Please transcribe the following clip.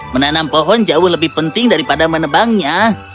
menanam pohon jauh lebih penting daripada menebangnya